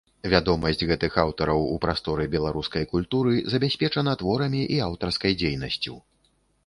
Вядомасць гэтых аўтараў у прасторы беларускай культуры забяспечана творамі і аўтарскай дзейнасцю.